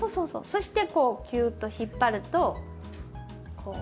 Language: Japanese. そしてこうキューッと引っ張るとこう。